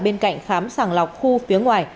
bên cạnh khám sàng lọc khu phía ngoài